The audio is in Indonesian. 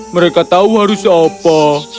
mereka tahu harus apa